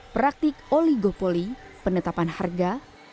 praktik oligopoli penetapan harga